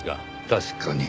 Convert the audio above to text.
確かに。